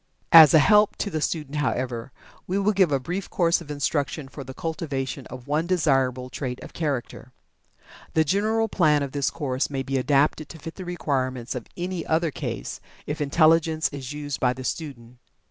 As a help to the student, however, we will give a brief course of instruction for the cultivation of one desirable trait of character. The general plan of this course may be adapted to fit the requirements of any other case, if intelligence is used by the student.